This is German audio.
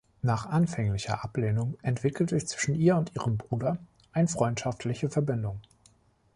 Nach anfänglicher Ablehnung entwickelt sich zwischen ihr und ihrem Bruder ein freundschaftliche Verbindung.